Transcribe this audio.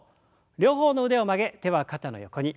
両方の腕を曲げ手は肩の横に。